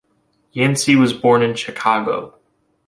Yancey was born in Chicago.